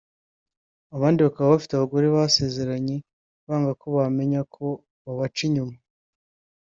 abandi bakaba bafite abagore basezeranye banga ko bamenya ko babaca inyuma